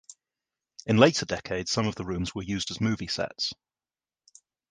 In later decades some of the rooms were used as movie sets.